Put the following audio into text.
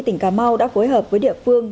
tỉnh cà mau đã phối hợp với địa phương